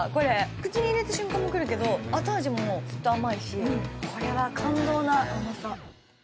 口に入れた瞬間もくるけど後味もずっと甘いし、これは感動の甘さ。